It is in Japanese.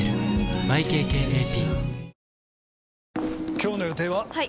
今日の予定は？